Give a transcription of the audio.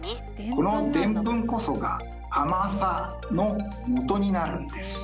このデンプンこそが甘さのもとになるんです。